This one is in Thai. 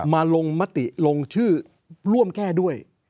มาลงชื่อร่วมแก้ด้วย